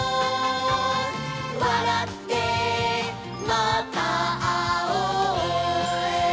「わらってまたあおう」